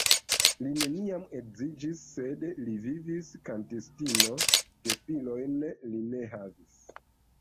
Li neniam edziĝis, sed li vivis kantistino, gefilojn li ne havis.